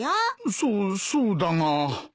そそうだが。